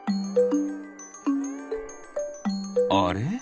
あれ？